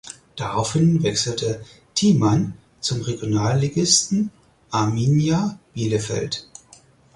Daraufhin wechselte Thiemann zum Regionalligisten Arminia Bielefeld.